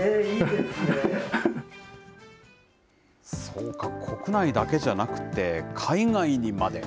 そうか、国内だけじゃなくて、海外にまで。